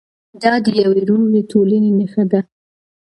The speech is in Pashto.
دا د یوې روغې ټولنې نښه ده.